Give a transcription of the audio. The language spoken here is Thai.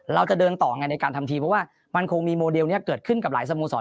เราจะเดินต่อไงในการทำทีเพราะว่ามันคงมีโมเดลนี้เกิดขึ้นกับหลายสโมสร